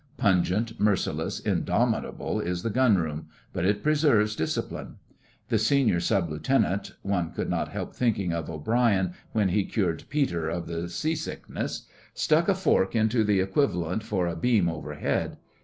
Pungent, merciless, indomitable is the Gunroom, but it preserves discipline. The senior Sub Lieutenant (one could not help thinking of O'Brien when he cured Peter of the sea sickness) stuck a fork into the equivalent for a beam overhead.